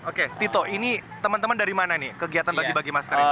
oke tito ini teman teman dari mana nih kegiatan bagi bagi masker ini